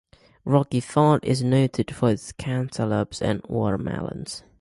Rocky Ford is noted for its cantaloupes and watermelons.